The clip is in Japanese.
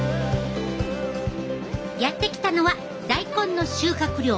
やって来たのは大根の収穫量